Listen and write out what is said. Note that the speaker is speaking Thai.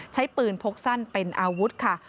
ใช้ปืนพกสั้นเป็นอาวุธค่ะ